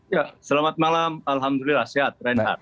ya selamat malam alhamdulillah sehat reinhardt